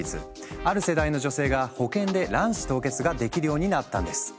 ある世代の女性が保険で卵子凍結ができるようになったんです。